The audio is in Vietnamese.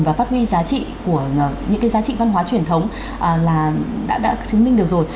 và phát huy giá trị của những cái giá trị văn hóa truyền thống là đã chứng minh được rồi